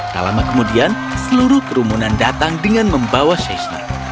tak lama kemudian seluruh kerumunan datang dengan membawa shashna